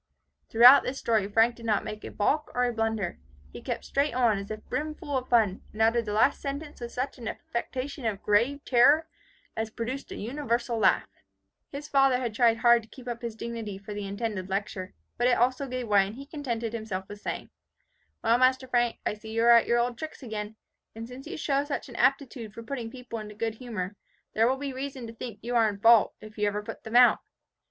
'" Throughout this story Frank did not make a balk or a blunder. He kept straight on, as if brimful of fun, and uttered the last sentence with such an affectation of grave terror, as produced a universal laugh. His father had tried hard to keep up his dignity for the intended lecture, but it also gave way, and he contented himself with saying, "Well, master Frank, I see you are at your old tricks again. And since you show such an aptitude for putting people into good humour, there will be reason to think you are in fault, if you ever put them out.